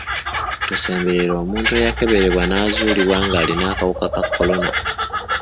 Tosemberera omuntu eyakeberebwa n'azuulibwa ng'alina akawuka ka kolona.